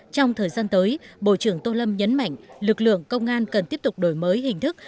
trong thời gian tới bộ trưởng tô lâm nhấn mạnh lực lượng công an cần tiếp tục đổi mới hình thức